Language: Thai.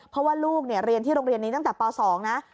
เพราะว่าลูกเรียนที่โรงเรียนนี้ตั้งแต่ป๒นะ